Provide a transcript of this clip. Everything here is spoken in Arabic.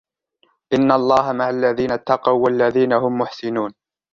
إن الله مع الذين اتقوا والذين هم محسنون